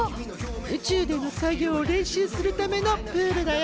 宇宙での作業を練習するためのプールだよ。